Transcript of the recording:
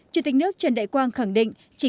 chủ tịch nước trần đại quang khẳng định